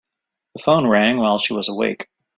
The phone rang while she was awake.